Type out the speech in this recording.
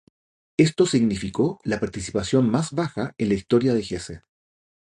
Esto significó la participación más baja en la historia de Hesse.